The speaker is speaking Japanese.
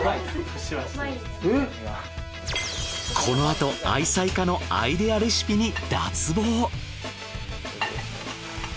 このあと愛妻家のアイデアレシピに脱帽！